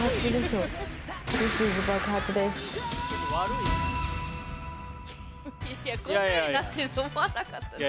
いやこんなになってると思わなかったですけど。